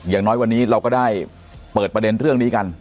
อย่างน้อยวันนี้เราก็ได้เปิดประเด็นเรื่องนี้กัน